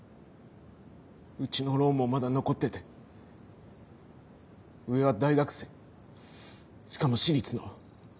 うちのローンもまだ残ってて上は大学生しかも私立の。